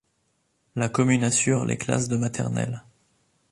La commune assure les classes de maternelle.